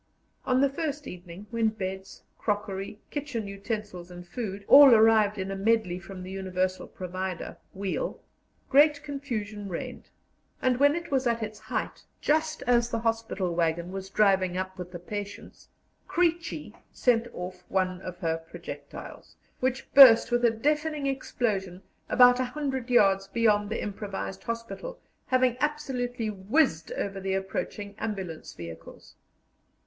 On the first evening, when beds, crockery, kitchen utensils, and food, all arrived in a medley from the universal provider, Wiel, great confusion reigned; and when it was at its height, just as the hospital waggon was driving up with the patients, "Creechy" sent off one of her projectiles, which burst with a deafening explosion about a hundred yards beyond the improvised hospital, having absolutely whizzed over the approaching ambulance vehicles.